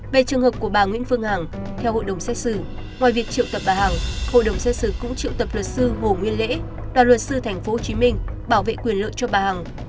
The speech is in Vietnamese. về trường hợp của bà nguyễn phương hằng theo hội đồng xét xử ngoài việc triệu tập bà hằng hội đồng xét xử cũng triệu tập luật sư hồ nguyên lễ đoàn luật sư tp hcm bảo vệ quyền lợi cho bà hằng